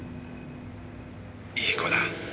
「いい子だ。